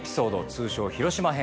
通称広島編。